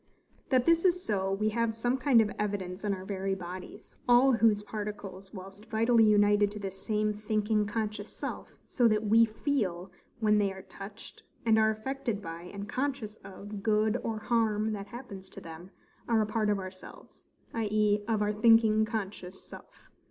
That this is so, we have some kind of evidence in our very bodies, all whose particles, whilst vitally united to this same thinking conscious self, so that WE FEEL when they are touched, and are affected by, and conscious of good or harm that happens to them, are a part of ourselves; i.e. of our thinking conscious self.